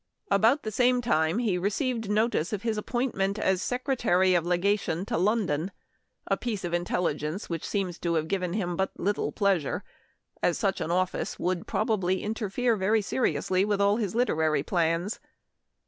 About the same time he received notice of his appointment as " Secretary of Legation to London "— a piece of intelligence which seems to have given him but little pleasure, as such an office would proba bly interfere very seriously with all his literary plans.